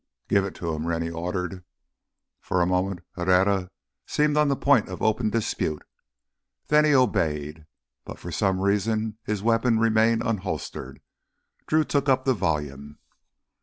"Give it to him," Rennie ordered. For a moment Herrera seemed on the point of open dispute, then he obeyed. But for some reason his weapon remained unholstered. Drew took up the volume.